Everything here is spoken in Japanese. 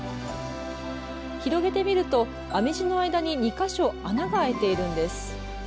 広げてみると編み地の間に２か所穴があいているんです。